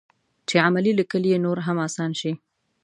چې عملي لیکل یې نور هم اسان شي.